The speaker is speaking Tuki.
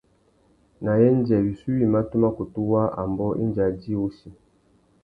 Nà yêndzê wissú wïmá tu mà kutu waā umbōh indi a djï wussi.